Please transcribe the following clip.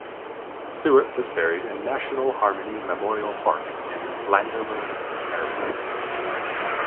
Stewart was buried in National Harmony Memorial Park in Landover, Maryland.